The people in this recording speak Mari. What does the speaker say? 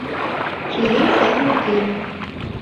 Чиен сай вургемым